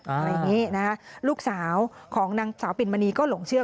อะไรอย่างนี้นะคะลูกสาวของนางสาวปิ่นมณีก็หลงเชื่อ